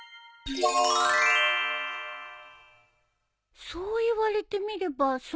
そう言われてみればそうかも。